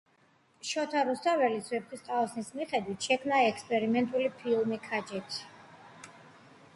შოთა რუსთაველის „ვეფხისტყაოსანის“ მიხედვით შექმნა ექსპერიმენტული ფილმი— „ქაჯეთი“.